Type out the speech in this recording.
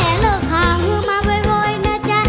ถ้าแม่เลิกหาฮือมาเว้ยเว้ยนะจ๊ะ